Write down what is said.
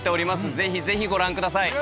ぜひぜひご覧ください。